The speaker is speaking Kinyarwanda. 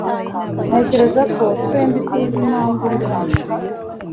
Ntekereza ko twembi tuzi impamvu ndi hano.